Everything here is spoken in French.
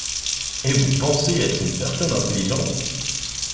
Et vous pensez être une personne intelligente ?